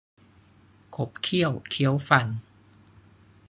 ขบเขี้ยวเคี้ยวฟัน